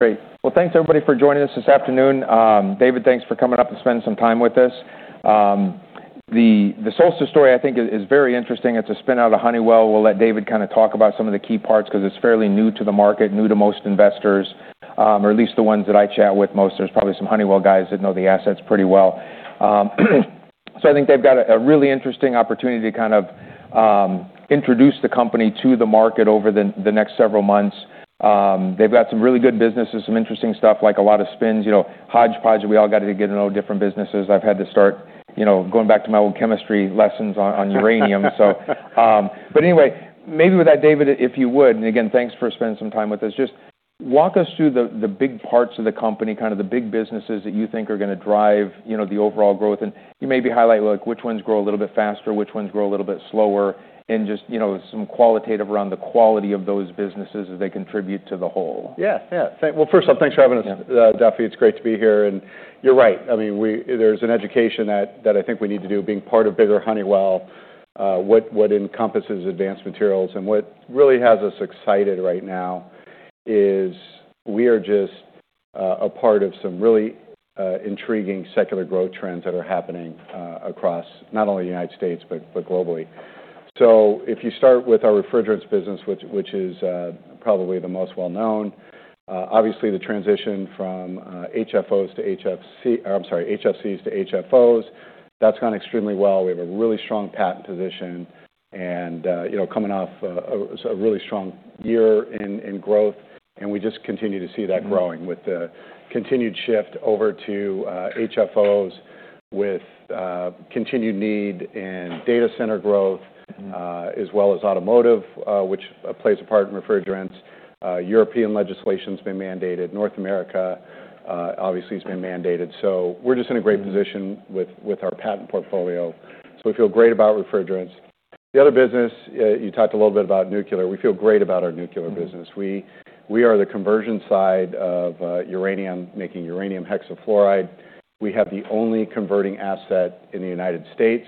Great. Well, thanks everybody for joining us this afternoon. David, thanks for coming up and spending some time with us. The Solstice story, I think, is very interesting. It's a spin out of Honeywell. We'll let David kind of talk about some of the key parts because it's fairly new to the market, new to most investors, or at least the ones that I chat with most. There's probably some Honeywell guys that know the assets pretty well. So I think they've got a really interesting opportunity to kind of introduce the company to the market over the next several months. They've got some really good businesses, some interesting stuff, like a lot of spins, hodgepodge. We all got to get to know different businesses. I've had to start going back to my old chemistry lessons on uranium. But anyway, maybe with that, David, if you would, and again, thanks for spending some time with us, just walk us through the big parts of the company, kind of the big businesses that you think are going to drive the overall growth, and you maybe highlight which ones grow a little bit faster, which ones grow a little bit slower, and just some qualitative around the quality of those businesses as they contribute to the whole. Yeah. Well, first off, thanks for having us, Duffy. It's great to be here. And you're right. I mean, there's an education that I think we need to do being part of bigger Honeywell, what encompasses advanced materials. And what really has us excited right now is we are just a part of some really intriguing secular growth trends that are happening across not only the United States, but globally. So if you start with our refrigerants business, which is probably the most well-known, obviously the transition from HFOs to HFCs to HFOs, that's gone extremely well. We have a really strong patent position and coming off a really strong year in growth. And we just continue to see that growing with the continued shift over to HFOs with continued need and data center growth, as well as automotive, which plays a part in refrigerants. European legislation has been mandated. North America, obviously, has been mandated. So we're just in a great position with our patent portfolio. So we feel great about refrigerants. The other business, you talked a little bit about nuclear. We feel great about our nuclear business. We are the conversion side of uranium, making uranium hexafluoride. We have the only converting asset in the United States.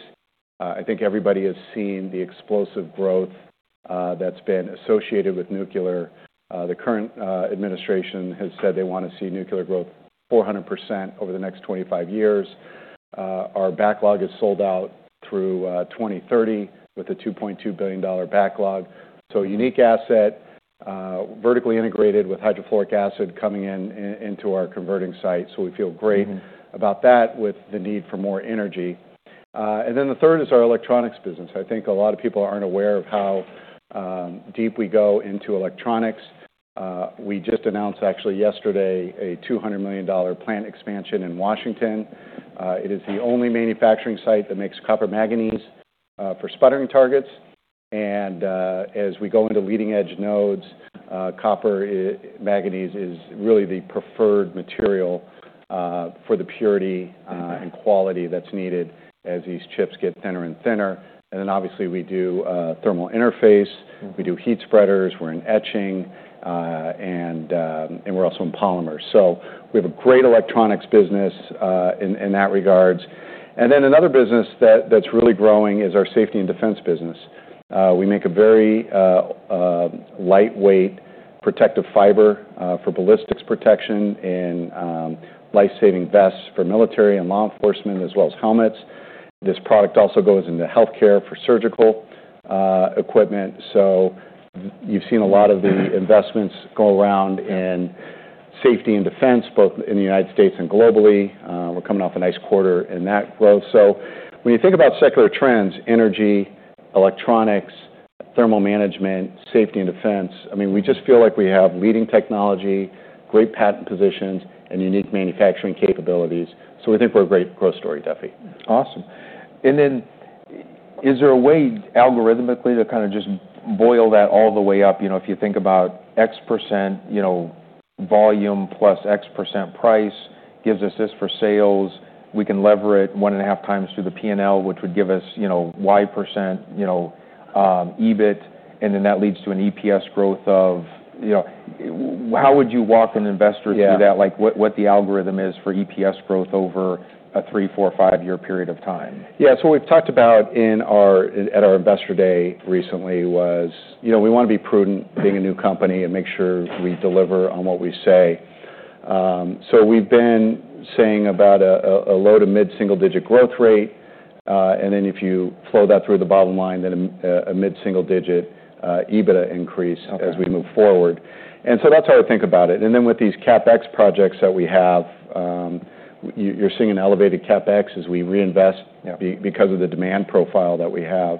I think everybody has seen the explosive growth that's been associated with nuclear. The current administration has said they want to see nuclear growth 400% over the next 25 years. Our backlog is sold out through 2030 with a $2.2 billion backlog. So unique asset, vertically integrated with hydrofluoric acid coming into our converting site. So we feel great about that with the need for more energy. And then the third is our electronics business. I think a lot of people aren't aware of how deep we go into electronics. We just announced, actually, yesterday, a $200 million plant expansion in Washington. It is the only manufacturing site that makes copper manganese for sputtering targets. And as we go into leading-edge nodes, copper manganese is really the preferred material for the purity and quality that's needed as these chips get thinner and thinner. And then, obviously, we do thermal interface. We do heat spreaders. We're in etching, and we're also in polymers. So we have a great electronics business in that regard. And then another business that's really growing is our safety and defense business. We make a very lightweight protective fiber for ballistics protection and life-saving vests for military and law enforcement, as well as helmets. This product also goes into healthcare for surgical equipment. So you've seen a lot of the investments go around in safety and defense, both in the United States and globally. We're coming off a nice quarter in that growth. So when you think about secular trends, energy, electronics, thermal management, safety and defense, I mean, we just feel like we have leading technology, great patent positions, and unique manufacturing capabilities. So we think we're a great growth story, Duffy. Awesome. And then is there a way algorithmically to kind of just boil that all the way up? If you think about X% volume plus X% price gives us this for sales. We can lever it one and a half times through the P&L, which would give us Y% EBIT. And then that leads to an EPS growth of how would you walk an investor through that? What the algorithm is for EPS growth over a three, four, five-year period of time. Yeah. So what we've talked about at our investor day recently was we want to be prudent being a new company and make sure we deliver on what we say. So we've been saying about a low- to mid-single-digit growth rate. And then if you flow that through the bottom line, then a mid-single-digit EBITDA increase as we move forward. And so that's how I think about it. And then with these CapEx projects that we have, you're seeing an elevated CapEx as we reinvest because of the demand profile that we have.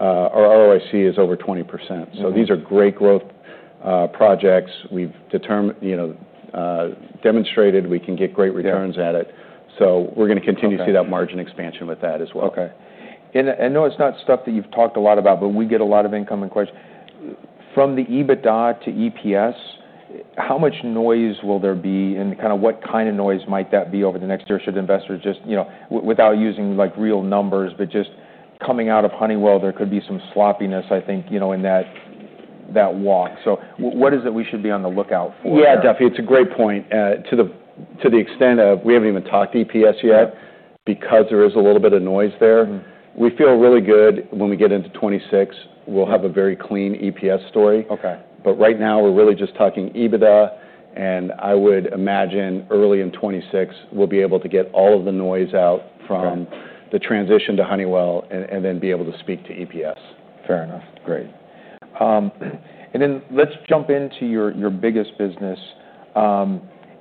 Our ROIC is over 20%. So these are great growth projects. We've demonstrated we can get great returns at it. So we're going to continue to see that margin expansion with that as well. Okay. And no, it's not stuff that you've talked a lot about, but we get a lot of incoming questions. From the EBITDA to EPS, how much noise will there be? And kind of what kind of noise might that be over the next year should investors just, without using real numbers, but just coming out of Honeywell, there could be some sloppiness, I think, in that walk. So what is it we should be on the lookout for? Yeah, Duffy, it's a great point. To the extent of we haven't even talked EPS yet because there is a little bit of noise there. We feel really good when we get into 2026. We'll have a very clean EPS story, but right now, we're really just talking EBITDA, and I would imagine early in 2026, we'll be able to get all of the noise out from the transition to Honeywell and then be able to speak to EPS. Fair enough. Great. And then let's jump into your biggest business.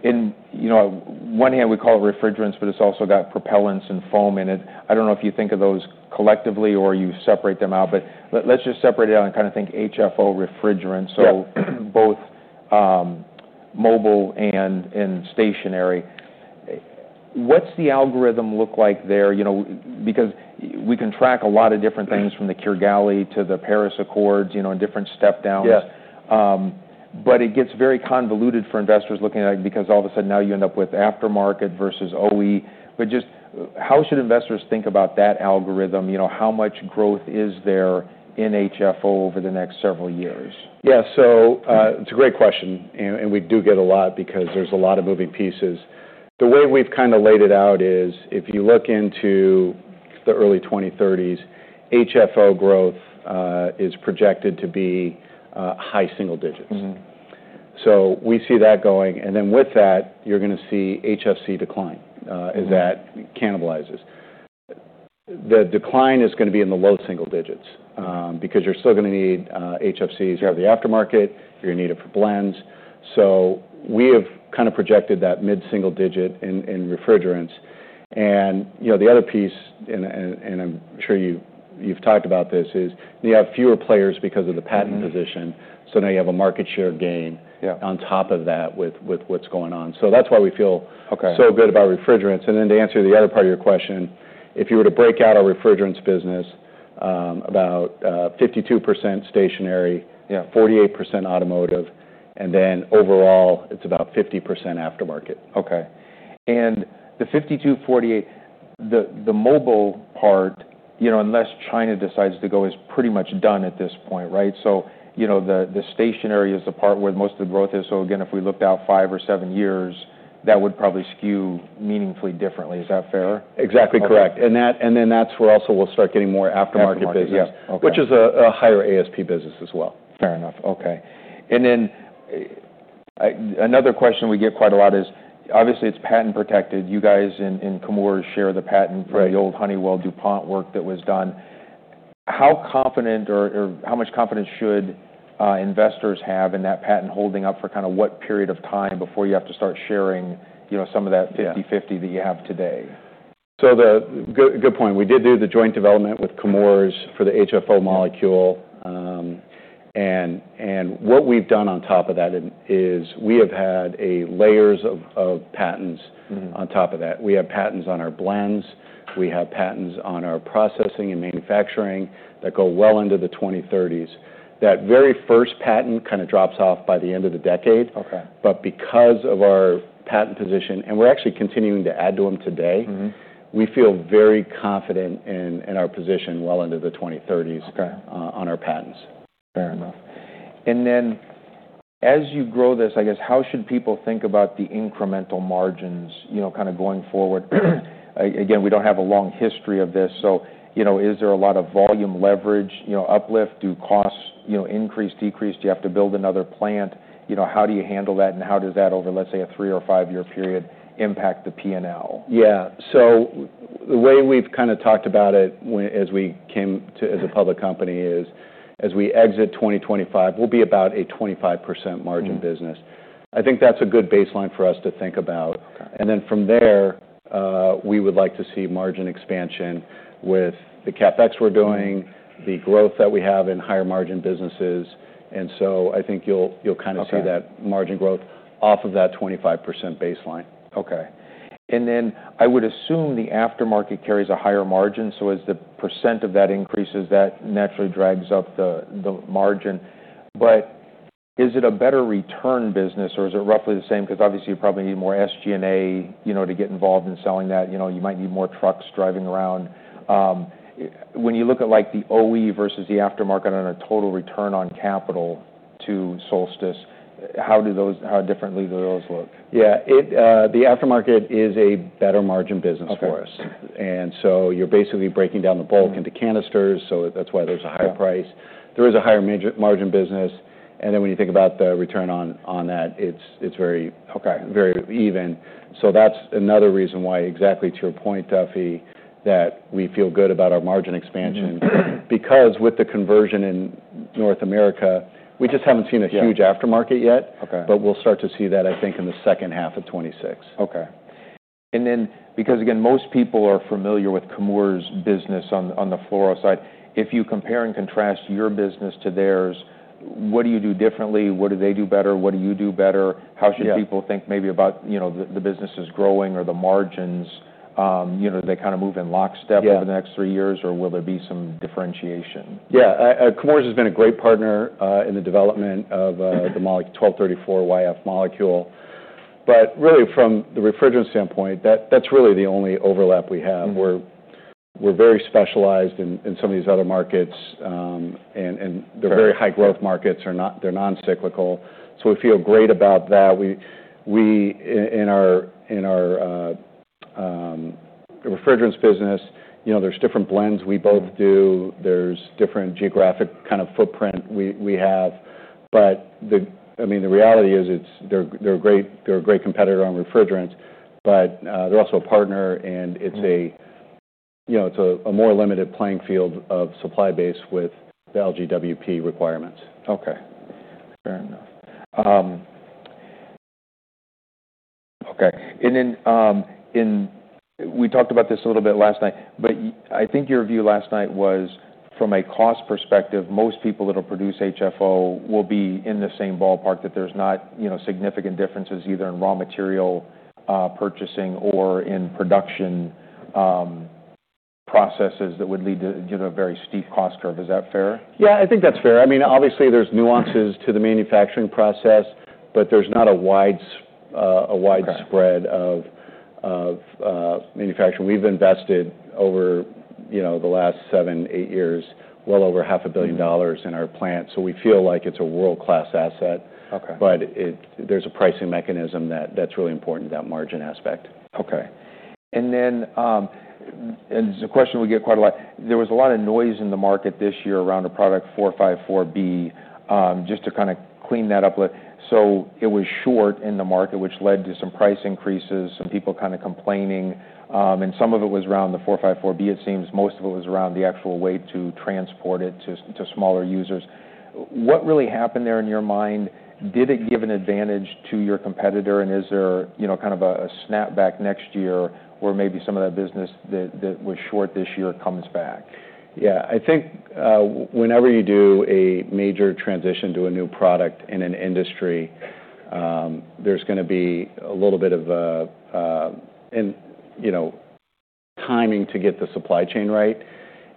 In one hand, we call it refrigerants, but it's also got propellants and foam in it. I don't know if you think of those collectively or you separate them out, but let's just separate it out and kind of think HFO refrigerants, so both mobile and stationary. What's the algorithm look like there? Because we can track a lot of different things from the Kigali to the Paris Accords and different step-downs. But it gets very convoluted for investors looking at it because all of a sudden now you end up with aftermarket versus OE. But just how should investors think about that algorithm? How much growth is there in HFO over the next several years? Yeah. So it's a great question. And we do get a lot because there's a lot of moving pieces. The way we've kind of laid it out is if you look into the early 2030s, HFO growth is projected to be high single digits. So we see that going. And then with that, you're going to see HFC decline, as that cannibalizes. The decline is going to be in the low single digits because you're still going to need HFCs for the aftermarket. You're going to need it for blends. So we have kind of projected that mid-single digit in refrigerants. And the other piece, and I'm sure you've talked about this, is you have fewer players because of the patent position. So now you have a market share gain on top of that with what's going on. So that's why we feel so good about refrigerants. And then to answer the other part of your question, if you were to break out our refrigerants business, about 52% stationary, 48% automotive, and then overall, it's about 50% aftermarket. Okay. And the 52-48, the mobile part, unless China decides to go, is pretty much done at this point, right? So the stationary is the part where most of the growth is. So again, if we looked out five or seven years, that would probably skew meaningfully differently. Is that fair? Exactly correct. And then that's where also we'll start getting more aftermarket business, which is a higher ASP business as well. Fair enough. Okay. And then another question we get quite a lot is, obviously, it's patent protected. You guys in Chemours share the patent for the old Honeywell DuPont work that was done. How confident or how much confidence should investors have in that patent holding up for kind of what period of time before you have to start sharing some of that 50/50 that you have today? Good point. We did do the joint development with Chemours for the HFO molecule. And what we've done on top of that is we have had layers of patents on top of that. We have patents on our blends. We have patents on our processing and manufacturing that go well into the 2030s. That very first patent kind of drops off by the end of the decade. But because of our patent position, and we're actually continuing to add to them today, we feel very confident in our position well into the 2030s on our patents. Fair enough. And then as you grow this, I guess, how should people think about the incremental margins kind of going forward? Again, we don't have a long history of this. So is there a lot of volume leverage uplift? Do costs increase, decrease? Do you have to build another plant? How do you handle that? And how does that, over, let's say, a three or five-year period, impact the P&L? Yeah. So the way we've kind of talked about it as we came to as a public company is as we exit 2025, we'll be about a 25% margin business. I think that's a good baseline for us to think about. And then from there, we would like to see margin expansion with the CapEx we're doing, the growth that we have in higher margin businesses. And so I think you'll kind of see that margin growth off of that 25% baseline. Okay. And then I would assume the aftermarket carries a higher margin. So as the percent of that increases, that naturally drags up the margin. But is it a better return business, or is it roughly the same? Because obviously, you probably need more SG&A to get involved in selling that. You might need more trucks driving around. When you look at the OE versus the aftermarket on a total return on capital to Solstice, how differently do those look? Yeah. The aftermarket is a better margin business for us. And so you're basically breaking down the bulk into canisters. So that's why there's a higher price. There is a higher margin business. And then when you think about the return on that, it's very even. So that's another reason why, exactly to your point, Duffy, that we feel good about our margin expansion. Because with the conversion in North America, we just haven't seen a huge aftermarket yet. But we'll start to see that, I think, in the second half of 2026. Okay. And then because, again, most people are familiar with Chemours' business on the fluoro side, if you compare and contrast your business to theirs, what do you do differently? What do they do better? What do you do better? How should people think maybe about the business's growing or the margins? Do they kind of move in lockstep over the next three years, or will there be some differentiation? Yeah. Chemours has been a great partner in the development of the 1234yf molecule. But really, from the refrigerant standpoint, that's really the only overlap we have. We're very specialized in some of these other markets. And they're very high-growth markets. They're non-cyclical. So we feel great about that. In our refrigerants business, there's different blends we both do. There's different geographic kind of footprint we have. But I mean, the reality is they're a great competitor on refrigerants. But they're also a partner. And it's a more limited playing field of supply base with the LGWP requirements. Okay. Fair enough. Okay. And then we talked about this a little bit last night. But I think your view last night was, from a cost perspective, most people that will produce HFO will be in the same ballpark that there's not significant differences either in raw material purchasing or in production processes that would lead to a very steep cost curve. Is that fair? Yeah. I think that's fair. I mean, obviously, there's nuances to the manufacturing process, but there's not a wide spread of manufacturing. We've invested over the last seven, eight years, well over $500 million in our plant. So we feel like it's a world-class asset. But there's a pricing mechanism that's really important, that margin aspect. Okay. And then it's a question we get quite a lot. There was a lot of noise in the market this year around a product, 454B, just to kind of clean that up. So it was short in the market, which led to some price increases, some people kind of complaining. And some of it was around the 454B, it seems. Most of it was around the actual weight to transport it to smaller users. What really happened there in your mind? Did it give an advantage to your competitor? And is there kind of a snapback next year where maybe some of that business that was short this year comes back? Yeah. I think whenever you do a major transition to a new product in an industry, there's going to be a little bit of timing to get the supply chain right,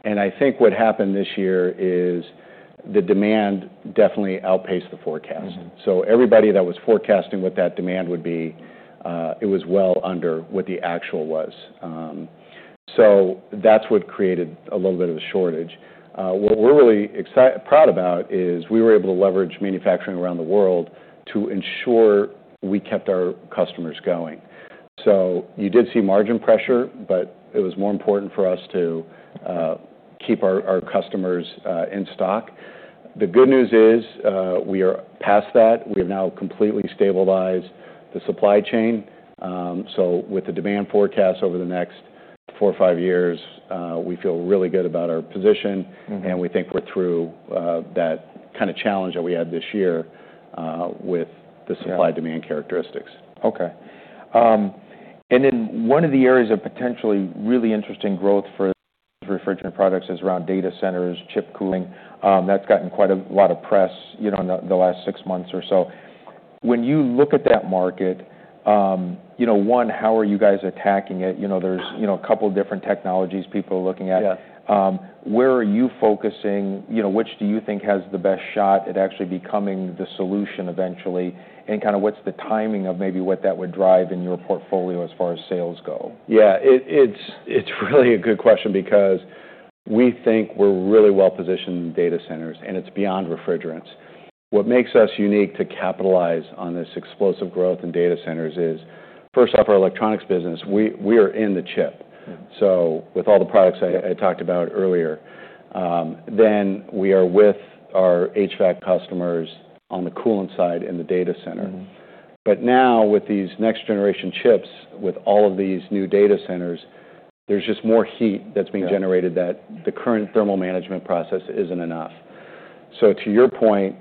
and I think what happened this year is the demand definitely outpaced the forecast, so everybody that was forecasting what that demand would be, it was well under what the actual was, so that's what created a little bit of a shortage. What we're really proud about is we were able to leverage manufacturing around the world to ensure we kept our customers going, so you did see margin pressure, but it was more important for us to keep our customers in stock. The good news is we are past that. We have now completely stabilized the supply chain, so with the demand forecast over the next four or five years, we feel really good about our position. And we think we're through that kind of challenge that we had this year with the supply-demand characteristics. Okay. And then one of the areas of potentially really interesting growth for refrigerant products is around data centers, chip cooling. That's gotten quite a lot of press in the last six months or so. When you look at that market, one, how are you guys attacking it? There's a couple of different technologies people are looking at. Where are you focusing? Which do you think has the best shot at actually becoming the solution eventually? And kind of what's the timing of maybe what that would drive in your portfolio as far as sales go? Yeah. It's really a good question because we think we're really well-positioned in data centers, and it's beyond refrigerants. What makes us unique to capitalize on this explosive growth in data centers is, first off, our electronics business. We are in the chip, so with all the products I talked about earlier, then we are with our HVAC customers on the coolant side in the data center, but now, with these next-generation chips, with all of these new data centers, there's just more heat that's being generated that the current thermal management process isn't enough, so to your point,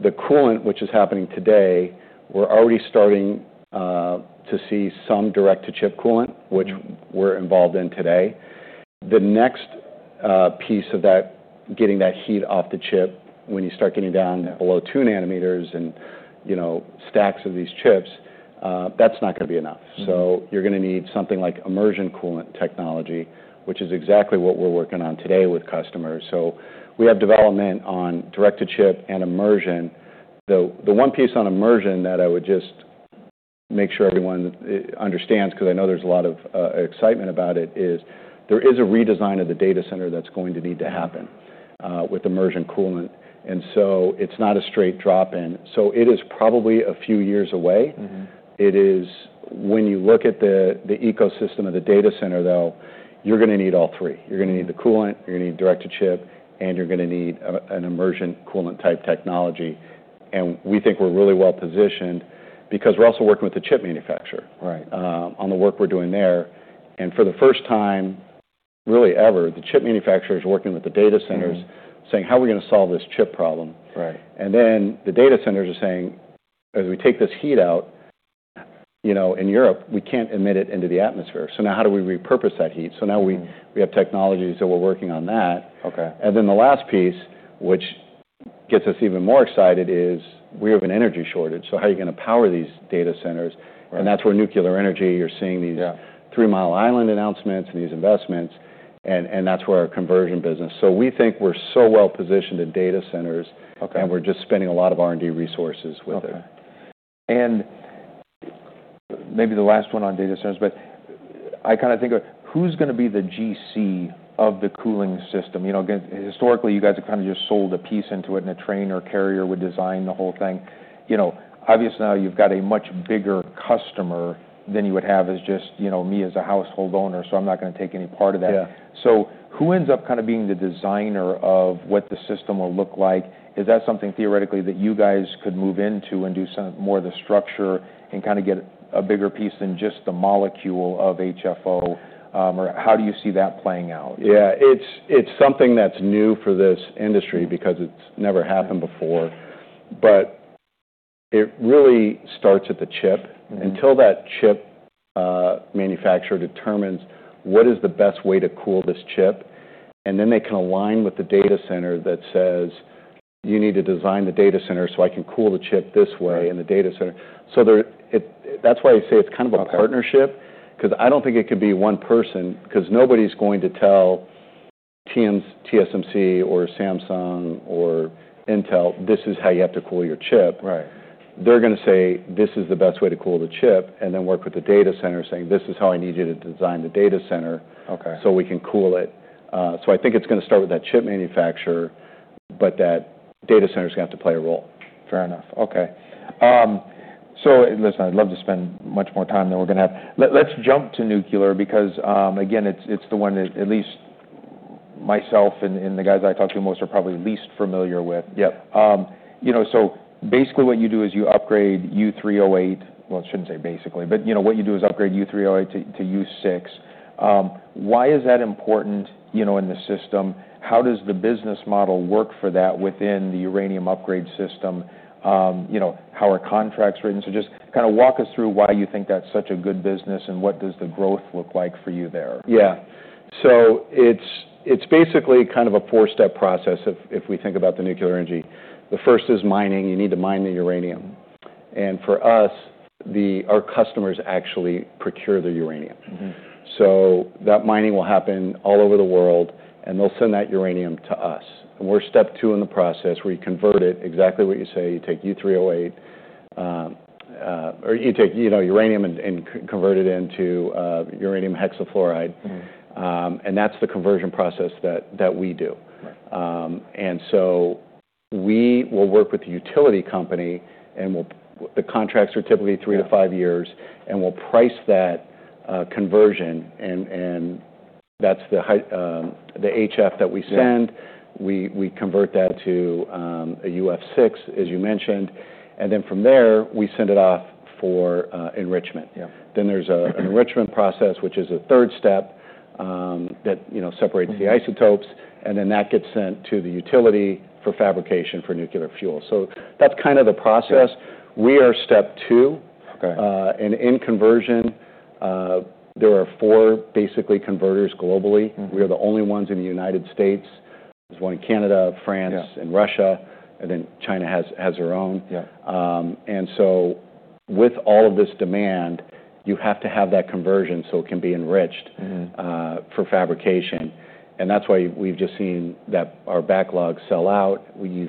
the coolant, which is happening today, we're already starting to see some direct-to-chip coolant, which we're involved in today. The next piece of that, getting that heat off the chip when you start getting down below two nanometers and stacks of these chips, that's not going to be enough. So you're going to need something like immersion coolant technology, which is exactly what we're working on today with customers. So we have development on direct-to-chip and immersion. The one piece on immersion that I would just make sure everyone understands because I know there's a lot of excitement about it is there is a redesign of the data center that's going to need to happen with immersion coolant. And so it's not a straight drop-in. So it is probably a few years away. When you look at the ecosystem of the data center, though, you're going to need all three. You're going to need the coolant, you're going to need direct-to-chip, and you're going to need an immersion coolant-type technology. And we think we're really well-positioned because we're also working with the chip manufacturer on the work we're doing there. For the first time, really ever, the chip manufacturer is working with the data centers saying, "How are we going to solve this chip problem?" Then the data centers are saying, "As we take this heat out in Europe, we can't emit it into the atmosphere. So now how do we repurpose that heat?" So now we have technologies that we're working on that. Then the last piece, which gets us even more excited, is we have an energy shortage. So how are you going to power these data centers? And that's where nuclear energy. You're seeing these Three Mile Island announcements and these investments. And that's where our conversion business. So we think we're so well-positioned in data centers, and we're just spending a lot of R&D resources with it. Okay. And maybe the last one on data centers, but I kind of think of who's going to be the GC of the cooling system? Historically, you guys have kind of just sold a piece into it, and Trane or Carrier would design the whole thing. Obviously, now you've got a much bigger customer than you would have as just me as a household owner. So I'm not going to take any part of that. So who ends up kind of being the designer of what the system will look like? Is that something theoretically that you guys could move into and do more of the structure and kind of get a bigger piece than just the molecule of HFO? Or how do you see that playing out? Yeah. It's something that's new for this industry because it's never happened before, but it really starts at the chip until that chip manufacturer determines what is the best way to cool this chip. Then they can align with the data center that says, "You need to design the data center so I can cool the chip this way in the data center." So that's why I say it's kind of a partnership because I don't think it can be one person because nobody's going to tell TSMC or Samsung or Intel, "This is how you have to cool your chip." They're going to say, "This is the best way to cool the chip," and then work with the data center saying, "This is how I need you to design the data center so we can cool it." So I think it's going to start with that chip manufacturer, but that data center is going to have to play a role. Fair enough. Okay, so listen, I'd love to spend much more time than we're going to have. Let's jump to nuclear because, again, it's the one that at least myself and the guys I talk to most are probably least familiar with, so basically, what you do is you upgrade U3O8, well, I shouldn't say basically, but what you do is upgrade U3O8 to UF6. Why is that important in the system? How does the business model work for that within the uranium upgrade system? How are contracts written, so just kind of walk us through why you think that's such a good business and what does the growth look like for you there. Yeah. So it's basically kind of a four-step process if we think about the nuclear energy. The first is mining. You need to mine the uranium. And for us, our customers actually procure the uranium. So that mining will happen all over the world, and they'll send that uranium to us. And we're step two in the process where you convert it exactly what you say. You take U3O8 or you take uranium and convert it into uranium hexafluoride. And that's the conversion process that we do. And so we will work with the utility company. And the contracts are typically three to five years. And we'll price that conversion. And that's the HF that we send. We convert that to a UF6, as you mentioned. And then from there, we send it off for enrichment. Then there's an enrichment process, which is a third step that separates the isotopes. And then that gets sent to the utility for fabrication for nuclear fuel. So that's kind of the process. We are step two. And in conversion, there are four basically converters globally. We are the only ones in the United States. There's one in Canada, France, and Russia. And then China has their own. And so with all of this demand, you have to have that conversion so it can be enriched for fabrication. And that's why we've just seen our backlog sell out. We've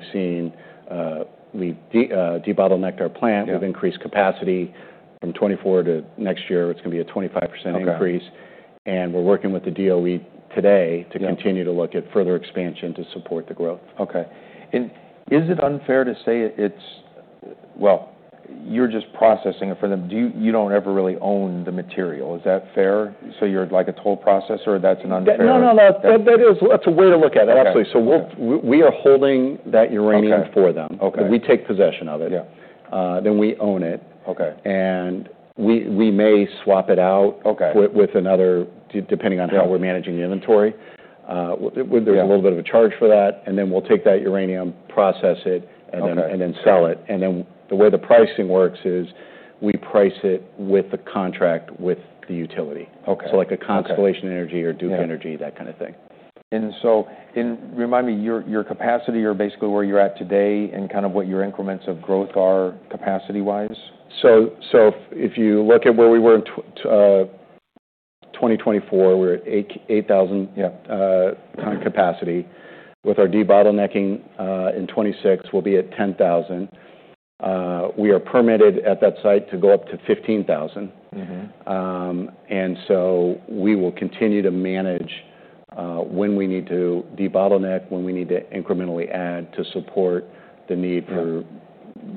debottlenecked our plant. We've increased capacity from 24 to next year. It's going to be a 25% increase. And we're working with the DOE today to continue to look at further expansion to support the growth. Okay. And is it unfair to say it's, well, you're just processing it for them? You don't ever really own the material. Is that fair? So you're like a toll processor? That's an unfair? No, no, no. That's a way to look at it, actually. So we are holding that uranium for them. We take possession of it. Then we own it. And we may swap it out with another depending on how we're managing inventory. There's a little bit of a charge for that. And then we'll take that uranium, process it, and then sell it. And then the way the pricing works is we price it with the contract with the utility. So like a Constellation Energy or Duke Energy, that kind of thing. Remind me, your capacity or basically where you're at today and kind of what your increments of growth are capacity-wise? If you look at where we were in 2024, we're at 8,000 capacity. With our debottlenecking in 2026, we'll be at 10,000. We are permitted at that site to go up to 15,000. We will continue to manage when we need to debottleneck, when we need to incrementally add to support the need for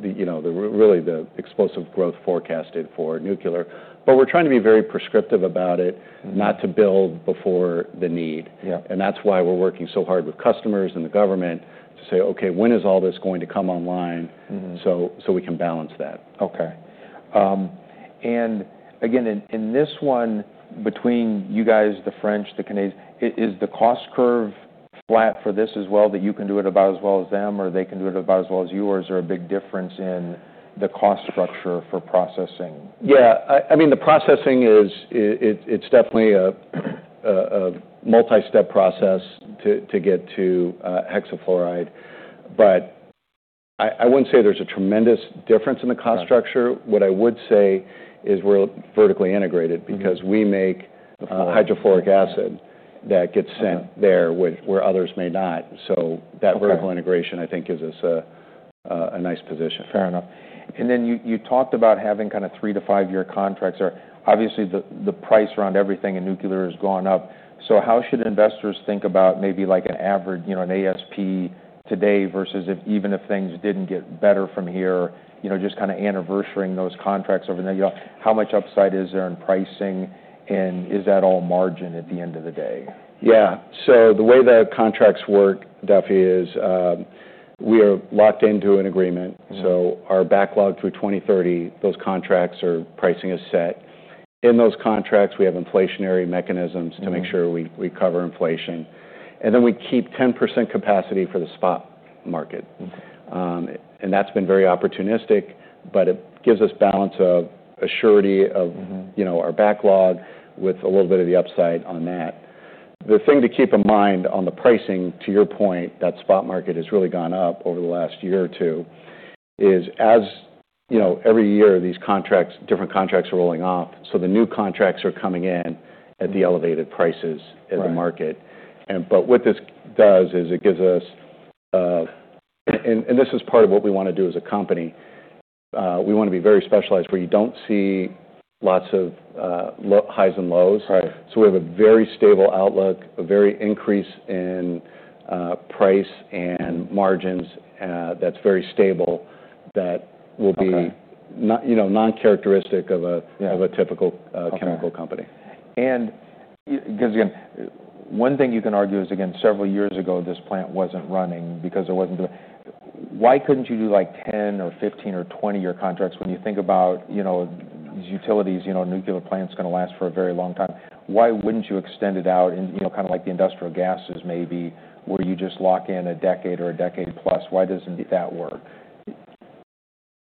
really the explosive growth forecasted for nuclear. We're trying to be very prescriptive about it, not to build before the need. That's why we're working so hard with customers and the government to say, "Okay, when is all this going to come online so we can balance that? Okay. And again, in this one, between you guys, the French, the Canadians, is the cost curve flat for this as well that you can do it about as well as them or they can do it about as well as yours? Is there a big difference in the cost structure for processing? Yeah. I mean, the processing, it's definitely a multi-step process to get to hexafluoride. But I wouldn't say there's a tremendous difference in the cost structure. What I would say is we're vertically integrated because we make hydrofluoric acid that gets sent there where others may not. So that vertical integration, I think, gives us a nice position. Fair enough. And then you talked about having kind of three- to five-year contracts. Obviously, the price around everything in nuclear has gone up. So how should investors think about maybe like an ASP today versus even if things didn't get better from here, just kind of anniversarying those contracts over there? How much upside is there in pricing? And is that all margin at the end of the day? Yeah. So the way the contracts work, Duffy, is we are locked into an agreement. So our backlog through 2030, those contracts' pricing is set. In those contracts, we have inflationary mechanisms to make sure we cover inflation. And then we keep 10% capacity for the spot market. And that's been very opportunistic, but it gives us balance of assurance of our backlog with a little bit of the upside on that. The thing to keep in mind on the pricing, to your point, that spot market has really gone up over the last year or two, as every year, these contracts, different contracts are rolling off. So the new contracts are coming in at the elevated prices in the market. But what this does is it gives us, and this is part of what we want to do as a company. We want to be very specialized where you don't see lots of highs and lows. So we have a very stable outlook, a very stable increase in price and margins that's very stable that will be non-characteristic of a typical chemical company. And because again, one thing you can argue is, again, several years ago, this plant wasn't running because it wasn't doing it. Why couldn't you do like 10 or 15 or 20-year contracts? When you think about these utilities, nuclear plant's going to last for a very long time. Why wouldn't you extend it out? And kind of like the industrial gases maybe, where you just lock in a decade or a decade plus. Why doesn't that work?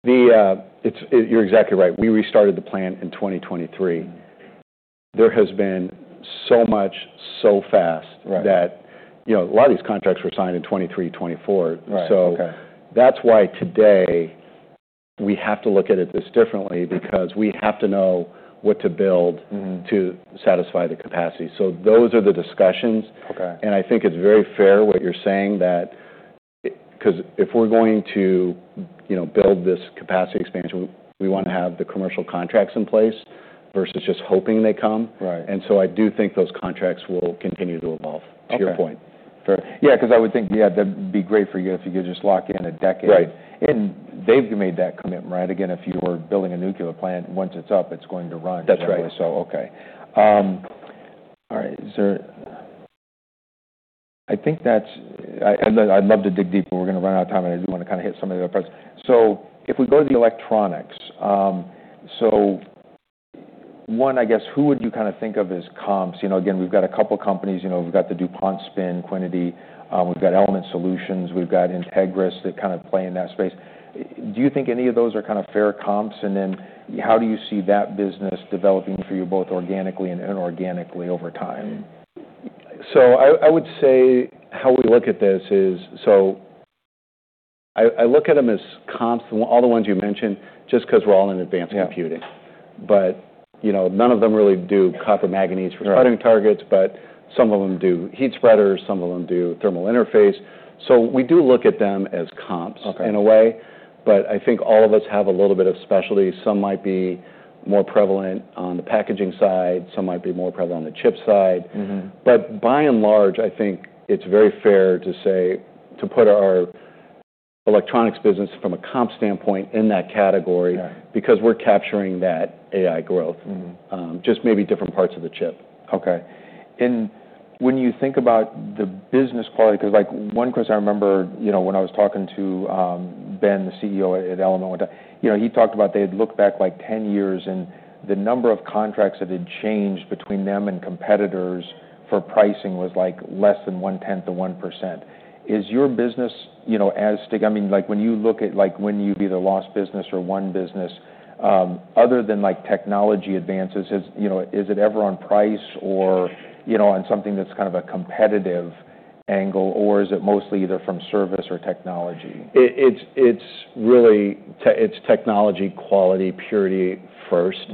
You're exactly right. We restarted the plant in 2023. There has been so much so fast that a lot of these contracts were signed in 2023, 2024, so that's why today we have to look at it this differently because we have to know what to build to satisfy the capacity, so those are the discussions, and I think it's very fair what you're saying that because if we're going to build this capacity expansion, we want to have the commercial contracts in place versus just hoping they come, and so I do think those contracts will continue to evolve to your point. Fair. Yeah. Because I would think, yeah, that'd be great for you if you could just lock in a decade. And they've made that commitment, right? Again, if you were building a nuclear plant, once it's up, it's going to run. That's right. So, okay. All right. I think that's. I'd love to dig deep, but we're going to run out of time, and I do want to kind of hit some of the other parts. So if we go to the electronics, so one, I guess, who would you kind of think of as comps? Again, we've got a couple of companies. We've got the DuPont spin, Chemours. We've got Element Solutions. We've got Entegris that kind of play in that space. Do you think any of those are kind of fair comps, and then how do you see that business developing for you both organically and inorganically over time? So I would say how we look at this is, so I look at them as comps, all the ones you mentioned, just because we're all in advanced computing. But none of them really do copper manganese for sputtering targets, but some of them do heat spreaders. Some of them do thermal interface. So we do look at them as comps in a way. But I think all of us have a little bit of specialty. Some might be more prevalent on the packaging side. Some might be more prevalent on the chip side. But by and large, I think it's very fair to say to put our electronics business from a comp standpoint in that category because we're capturing that AI growth, just maybe different parts of the chip. Okay. And when you think about the business quality, because one question I remember when I was talking to Ben, the CEO at Element, he talked about they had looked back like 10 years, and the number of contracts that had changed between them and competitors for pricing was like less than 1/10 to 1%. Is your business, as I mean, when you look at when you've either lost business or won business, other than technology advances, is it ever on price or on something that's kind of a competitive angle, or is it mostly either from service or technology? It's technology quality purity first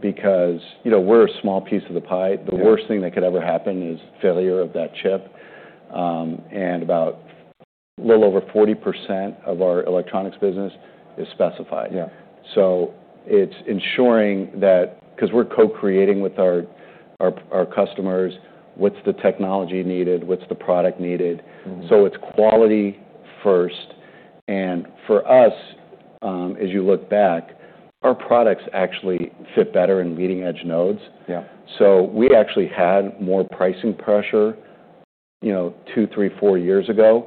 because we're a small piece of the pie. The worst thing that could ever happen is failure of that chip. And about a little over 40% of our electronics business is specified. So it's ensuring that because we're co-creating with our customers, what's the technology needed? What's the product needed? So it's quality first. And for us, as you look back, our products actually fit better in leading-edge nodes. So we actually had more pricing pressure two, three, four years ago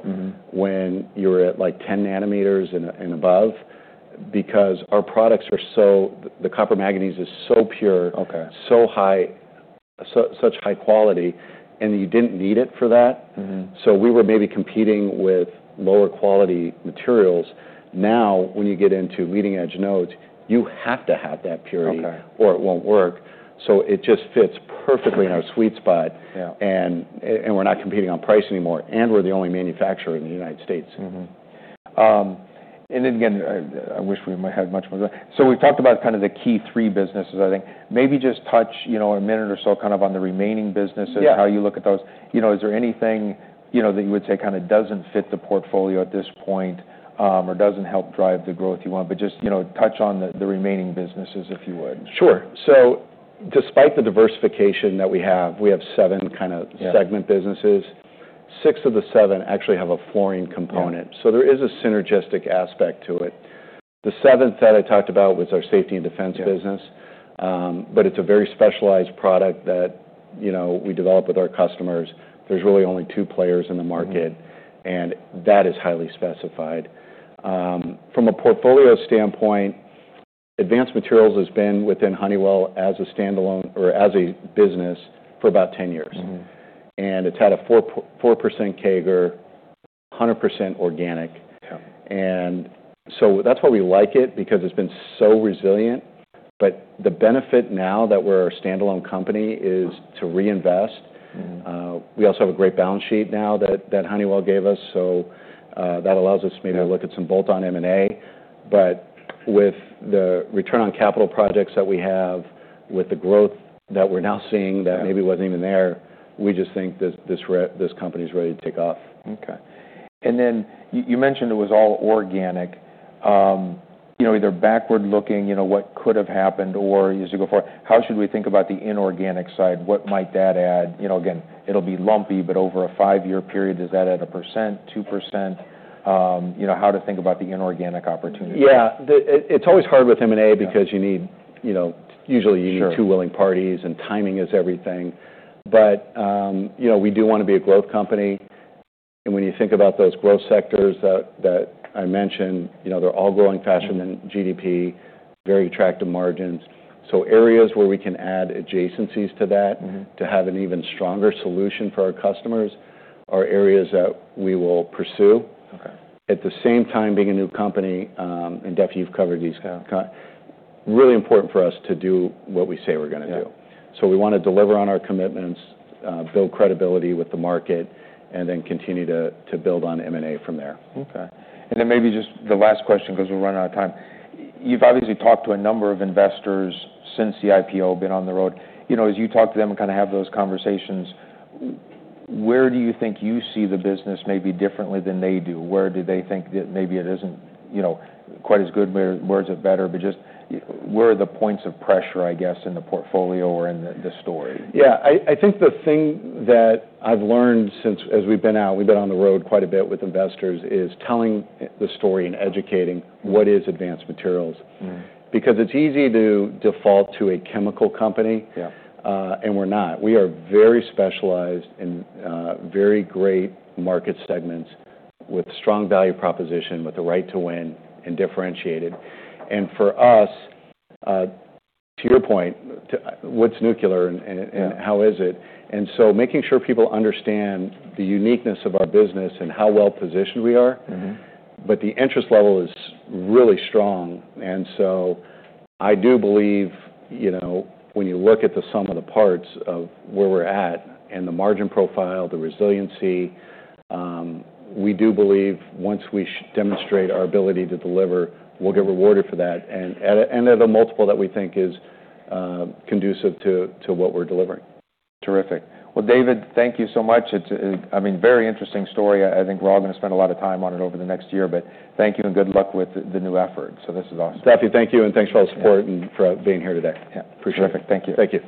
when you were at like 10 nanometers and above because our products are so the copper manganese is so pure, so high, such high quality, and you didn't need it for that. So we were maybe competing with lower quality materials. Now, when you get into leading-edge nodes, you have to have that purity or it won't work. So it just fits perfectly in our sweet spot. And we're not competing on price anymore. And we're the only manufacturer in the United States. And then again, I wish we had much more to do. So we talked about kind of the key three businesses. I think maybe just touch a minute or so kind of on the remaining businesses, how you look at those. Is there anything that you would say kind of doesn't fit the portfolio at this point or doesn't help drive the growth you want? But just touch on the remaining businesses if you would. Sure. So despite the diversification that we have, we have seven kind of segment businesses. Six of the seven actually have a fluorine component. So there is a synergistic aspect to it. The seventh that I talked about was our safety and defense business. But it's a very specialized product that we develop with our customers. There's really only two players in the market. And that is highly specified. From a portfolio standpoint, Advanced Materials has been within Honeywell as a standalone or as a business for about 10 years. And it's had a 4% CAGR, 100% organic. And so that's why we like it because it's been so resilient. But the benefit now that we're a standalone company is to reinvest. We also have a great balance sheet now that Honeywell gave us. So that allows us maybe to look at some bolt-on M&A. But with the return on capital projects that we have, with the growth that we're now seeing that maybe wasn't even there, we just think this company is ready to take off. Okay. And then you mentioned it was all organic. Either backward-looking, what could have happened, or as you go forward, how should we think about the inorganic side? What might that add? Again, it'll be lumpy, but over a five-year period, is that at a percent, 2%? How to think about the inorganic opportunity? Yeah. It's always hard with M&A because you usually need two willing parties, and timing is everything, but we do want to be a growth company. When you think about those growth sectors that I mentioned, they're all growing faster than GDP, very attractive margins, so areas where we can add adjacencies to that to have an even stronger solution for our customers are areas that we will pursue. At the same time, being a new company, and Duffy, you've covered these. It's really important for us to do what we say we're going to do. We want to deliver on our commitments, build credibility with the market, and then continue to build on M&A from there. Okay, and then maybe just the last question because we're running out of time. You've obviously talked to a number of investors since the IPO, been on the road. As you talk to them and kind of have those conversations, where do you think you see the business maybe differently than they do? Where do they think that maybe it isn't quite as good? Where is it better? But just where are the points of pressure, I guess, in the portfolio or in the story? Yeah. I think the thing that I've learned since as we've been out, we've been on the road quite a bit with investors is telling the story and educating what is Advanced Materials. Because it's easy to default to a chemical company, and we're not. We are very specialized in very great market segments with strong value proposition, with the right to win, and differentiated. And for us, to your point, what's nuclear and how is it? And so making sure people understand the uniqueness of our business and how well-positioned we are. But the interest level is really strong. And so I do believe when you look at the sum of the parts of where we're at and the margin profile, the resiliency, we do believe once we demonstrate our ability to deliver, we'll get rewarded for that. At a multiple that we think is conducive to what we're delivering. Terrific. Well, David, thank you so much. I mean, very interesting story. I think we're all going to spend a lot of time on it over the next year. But thank you and good luck with the new effort. So this is awesome. Duffy, thank you. And thanks for all the support and for being here today. Appreciate it. Terrific. Thank you. Thank you.